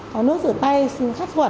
có nước rửa tay khách thuận